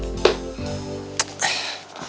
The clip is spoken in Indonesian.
ih boleh gelas